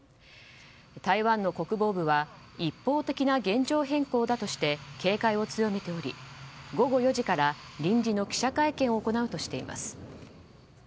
台湾の国防部は一方的な現状変更だとして警戒を強めており午後４時から臨時の記者会見を行うとしています。